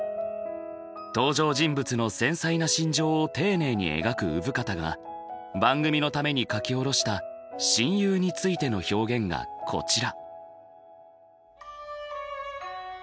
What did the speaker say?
登場人物の繊細な心情を丁寧に描く生方が番組のために書き下ろした親友についての表現がこちら。